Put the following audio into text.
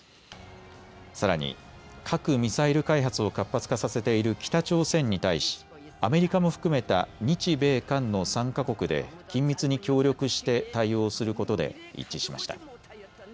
さらに核・ミサイル開発を活発化させている北朝鮮に対しアメリカも含めた日米韓の３か国で緊密に協力して対応することで一致しました。